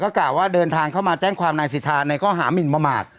กล่าวว่าเดินทางเข้ามาแจ้งความนายสิทธาในข้อหามินประมาท